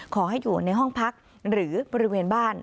ขอให้อยู่ในห้องพักหรือบริเวณบ้าน